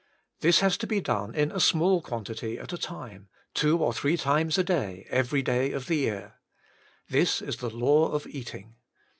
This has to be done in a small quantity at a time, two or three times a day, every day of the year. This is the law of eating.